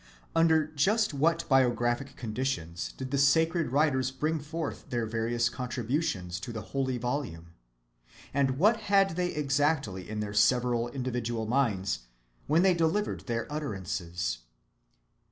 Under just what biographic conditions did the sacred writers bring forth their various contributions to the holy volume? And what had they exactly in their several individual minds, when they delivered their utterances?